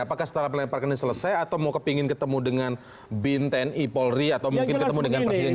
apakah setelah penelitian parkir selesai atau mau kepingin ketemu dengan binten i polri atau mungkin ketemu dengan presiden jokowi